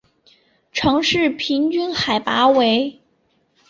城市平均海拔为。